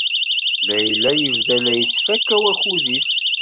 Layla yebda la yettfaka wakud-is.